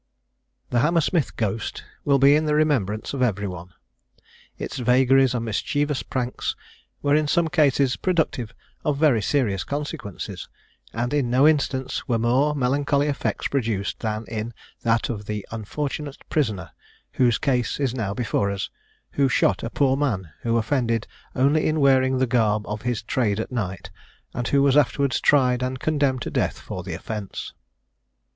The Hammersmith Ghost will be in the remembrance of every one. Its vagaries and mischievous pranks were in some cases productive of very serious consequences, and in no instance were more melancholy effects produced than in that of the unfortunate prisoner, whose case is now before us, who shot a poor man, who offended only in wearing the garb of his trade at night, and who was afterwards tried and condemned to death for the offence.